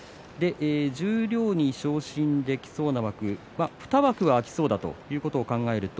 十両に昇進できそうな枠２枠は空きそうだということになります。